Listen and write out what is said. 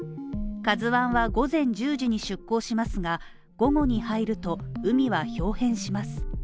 「ＫＡＺＵⅠ」は午前１０時に出港しますが、午後に入ると海はひょう変します。